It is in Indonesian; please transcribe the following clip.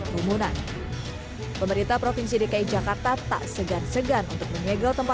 semua aturan aturan yang ada